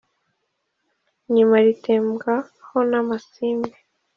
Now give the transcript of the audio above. Inyuma ritembwa ho namasimbi,